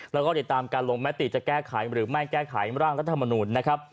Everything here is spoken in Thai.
แล้วก็ติดตามการลงมติจะแก้ไขหรือไม่แก้ไขร่างรัฐมนุนนะครับ